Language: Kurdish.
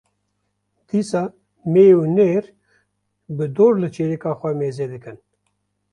dîsa mê û nêr bi dor li çêlika xwe mêze dikin.